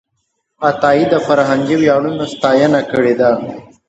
عطایي د فرهنګي ویاړونو ستاینه کړې ده.